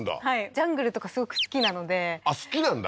ジャングルとかすごく好きなのであっ好きなんだ？